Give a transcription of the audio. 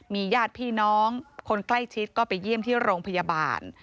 มีญาติพี่น้องคนใกล้ชิดก็ไปเยี่ยมที่โรงพยาบาล